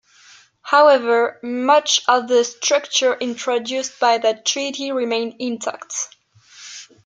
However, much of the structure introduced by that treaty remained intact.